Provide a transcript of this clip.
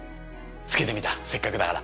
つけてみたせっかくだから。